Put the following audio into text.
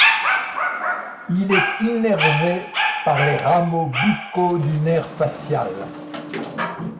Il est innervé par les rameaux buccaux du nerf facial.